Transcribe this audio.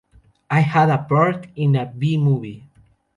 I had a part in a B-Movie.